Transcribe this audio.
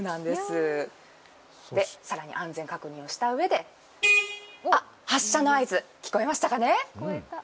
更に安全確認をしたうえであっ発車の合図聞こえましたかね？